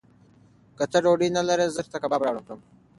که ته ډوډۍ نه لرې، زه به درته کباب راوړم.